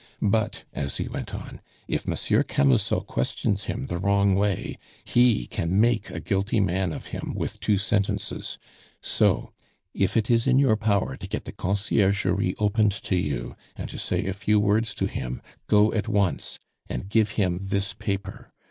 "But," Asie went on, "if Monsieur Camusot questions him the wrong way, he can make a guilty man of him with two sentences; so, if it is in your power to get the Conciergerie opened to you, and to say a few words to him, go at once, and give him this paper.